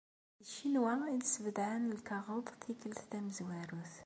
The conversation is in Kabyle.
Deg Ccinwa i d-ssbedεen lkaɣeḍ tikelt tamezwarut.